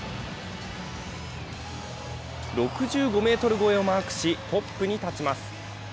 ６５ｍ越えをマークし、トップに立ちます。